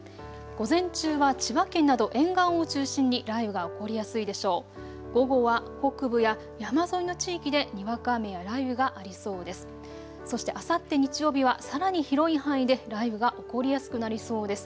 午後は北部や山沿いの地域でにわか雨や雷雨がありそうです。